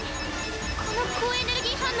この高エネルギー反応！